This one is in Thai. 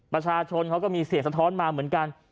ประชาชนเขาก็มีเสียงสะท้อนมาเหมือนกัน